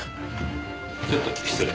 ちょっと失礼。